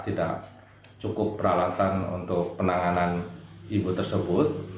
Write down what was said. tidak cukup peralatan untuk penanganan ibu tersebut